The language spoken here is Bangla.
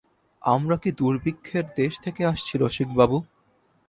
আমরা কি দুর্ভিক্ষের দেশ থেকে আসছি রসিকবাবু?